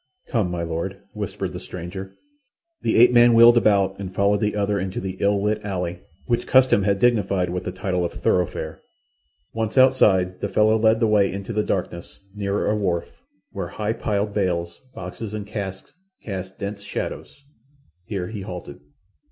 "Come, my lord!" whispered the stranger. The ape man wheeled about and followed the other into the ill lit alley, which custom had dignified with the title of thoroughfare. Once outside, the fellow led the way into the darkness, nearer a wharf, where high piled bales, boxes, and casks cast dense shadows. Here he halted.